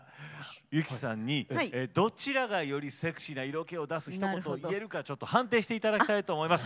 由紀さんにどちらがよりセクシーな色気を出すひと言を言えるか判定していただきたいと思います。